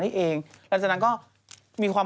แต่ถามว่า